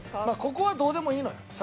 まあここはどうでもいいのよ。